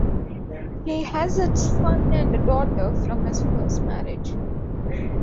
He has a son and daughter from his first marriage.